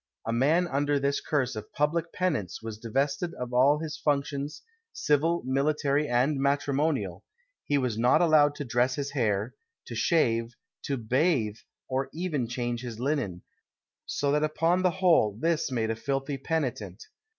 A man under this curse of public penance was divested of all his functions, civil, military, and matrimonial; he was not allowed to dress his hair, to shave, to bathe, nor even change his linen; so that upon the whole this made a filthy penitent.